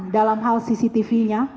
dalam hal cctvnya